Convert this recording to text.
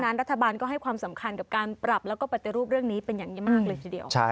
รัฐบาลก็ให้ความสำคัญกับการปรับแล้วก็ปฏิรูปเรื่องนี้เป็นอย่างมากเลยทีเดียว